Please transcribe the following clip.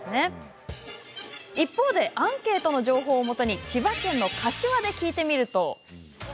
一方、アンケートの情報をもとに千葉県の柏で聞いてみると。